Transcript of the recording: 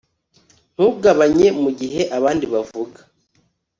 Ntugabanye mugihe abandi bavuga